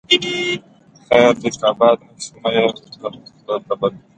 خير دى که آباد نه شوم، مه مې کړې په خوله د بل